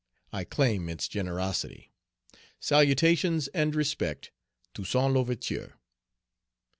I claim its generosity. "Salutations and respect, "TOUSSAINT L'OUVERTURE."